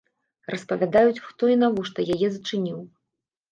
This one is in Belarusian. Распавядаюць, хто і навошта яе зачыніў.